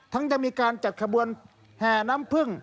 จะมีการจัดขบวนแห่น้ำพึ่ง